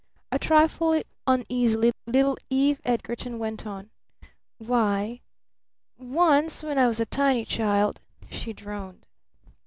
A trifle uneasily little Eve Edgarton went on. "Why once when I was a tiny child " she droned.